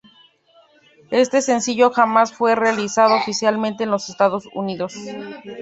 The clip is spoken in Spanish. Este sencillo jamás fue realizado oficialmente en los Estados Unidos.